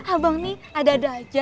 abang nih ada ada aja